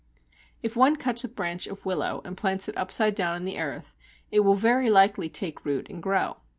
If one cuts a branch of willow and plants it upside down in the earth, it will very likely take root and grow.